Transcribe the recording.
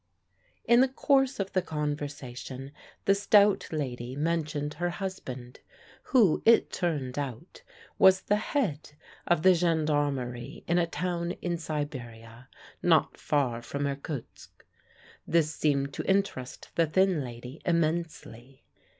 In the course of the conversation the stout lady mentioned her husband, who, it turned out, was the head of the gendarmerie in a town in Siberia, not far from Irkutsk. This seemed to interest the thin lady immensely.